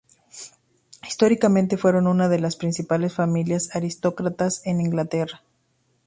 Históricamente fueron una de los principales familias aristocráticas en Inglaterra.